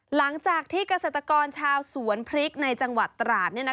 หลังจากที่เกษตรกรชาวสวนพริกในจังหวัดตราด